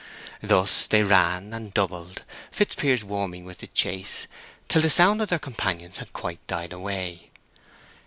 Thus they ran and doubled, Fitzpiers warming with the chase, till the sound of their companions had quite died away.